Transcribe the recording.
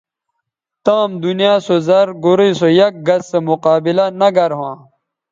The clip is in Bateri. تام دنیا سو زر گورئ سو یک گس سو مقابلہ نہ گر ھواں